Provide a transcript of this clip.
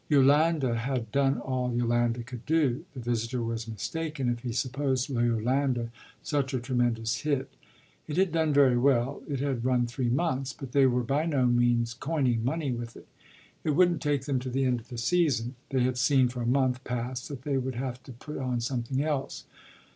Yolande had done all Yolande could do; the visitor was mistaken if he supposed Yolande such a tremendous hit. It had done very well, it had run three months, but they were by no means coining money with it. It wouldn't take them to the end of the season; they had seen for a month past that they would have to put on something else.